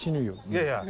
いやいや。